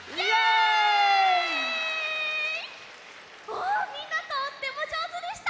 おみんなとってもじょうずでした！